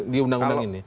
di undang undang ini